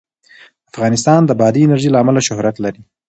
افغانستان د بادي انرژي له امله شهرت لري.